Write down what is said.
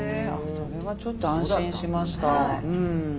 それはちょっと安心しました。